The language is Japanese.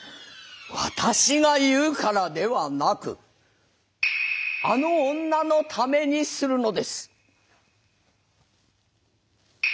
私が言うからではなくあの女のためにするのです。